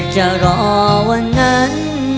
จะรอวันนั้น